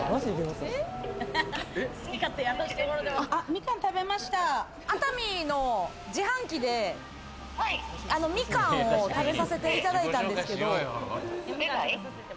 ミカン食べました、熱海の自販機で、ミカンを食べさせていただいたんですけど。